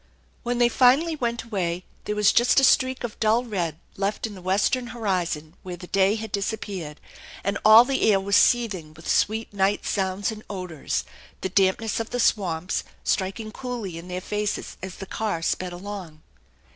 When they finally went away there was just a streak of dull red left in the western horizon where the day had dis appeared, and all the air was seething with sweet night sounds and odors, the dampness of the swamps striking coolly in their faces as the car sped along.